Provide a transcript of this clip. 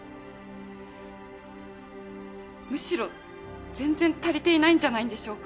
むしろ全然足りていないんじゃないんでしょうか？